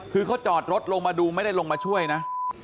คือเขาจอดรถลงมาดูไม่ได้ลงมาช่วยนะ